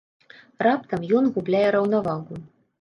Раптам ён губляе раўнавагу.